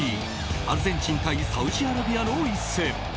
アルゼンチン対サウジアラビアの一戦。